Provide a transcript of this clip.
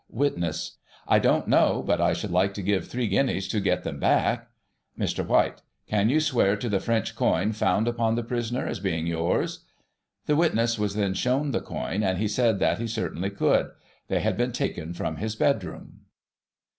Witness : I don't know ; but I should like to give three guineas to get them back. Mr. White : Can you swear to the French coin found upon the prisoner as being yours? The witness was then shown the coin, and he said that he certainly could. They had been taken from his bed room.